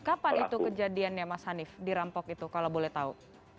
kapan itu kejadiannya mas hanif dirampok itu kalau boleh tahu